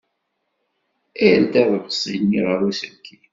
Err aḍebsi-nni ɣer uselkim.